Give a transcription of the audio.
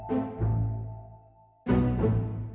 dan motor ternak langsung menyumbang untuk